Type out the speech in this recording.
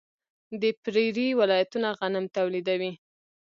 د پریري ولایتونه غنم تولیدوي.